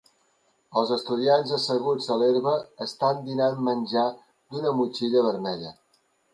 Els estudiants asseguts a l'herba estant dinant menjar d'una motxilla vermella.